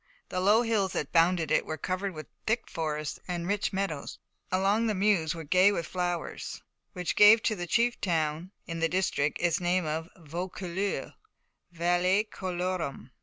The low hills that bounded it were covered with thick forests, and the rich meadows along the Meuse were gay with flowers, which gave to the chief town in the district its name of Vaucouleurs, Vallis colorum.